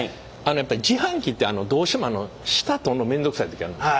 自販機ってどうしても下取るの面倒くさい時あるんです。